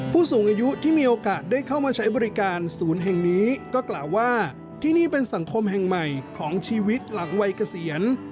ผู้สูงอายุที่มีโอกาสได้เข้ามาใช้บริการศูนย์แห่งนี้ก็กล่าวว่าที่นี่เป็นสังคมแห่งใหม่ของชีวิตหลังวัยเกษียณ